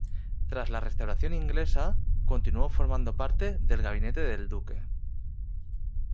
Tras la Restauración inglesa, continuó formando parte del gabinete del duque.